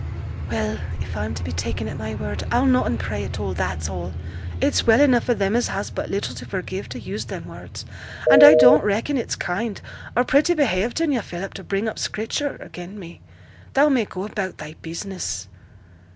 'Well, if I'm to be taken at my word, I'll noane pray at all, that's all. It's well enough for them as has but little to forgive to use them words; and I don't reckon it's kind, or pretty behaved in yo', Philip, to bring up Scripture again' me. Thou may go about thy business.'